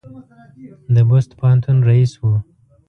د بُست پوهنتون رییس و.